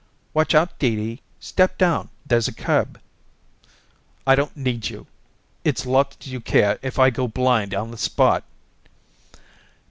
"Watch out, Dee Dee! Step down; there's a curb." "I don't need you. It's lots you care if I go blind on the spot."